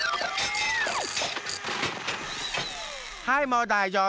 ハイもうだいじょうぶ！